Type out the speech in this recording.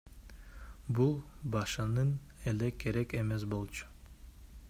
Бул башынан эле керек эмес болчу.